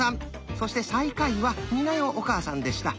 そして最下位は美奈代お母さんでした。